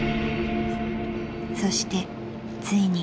［そしてついに］